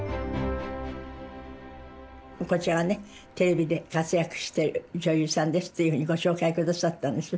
こちらがねテレビで活躍してる女優さんですっていうふうにご紹介下さったんです。